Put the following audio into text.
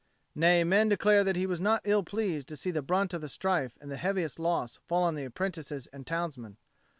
Nay, men declare that he was not ill pleased to see the brunt of the strife and the heaviest loss fall on the apprentices and townsmen.